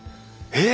え！